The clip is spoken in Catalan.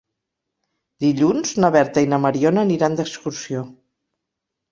Dilluns na Berta i na Mariona aniran d'excursió.